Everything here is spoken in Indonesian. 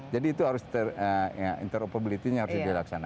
jadi itu interoperability nya harus dilaksanakan